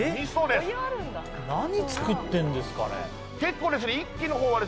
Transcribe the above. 何作ってるんですかね？